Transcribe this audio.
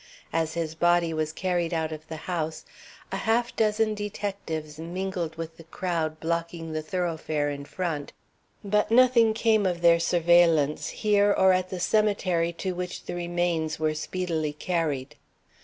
As his body was carried out of the house, a half dozen detectives mingled with the crowd blocking the thoroughfare in front, but nothing came of their surveillance here or at the cemetery to which the remains were speedily carried.